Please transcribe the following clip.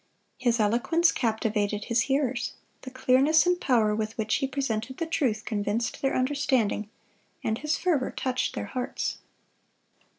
His eloquence captivated his hearers, the clearness and power with which he presented the truth convinced their understanding, and his fervor touched their hearts.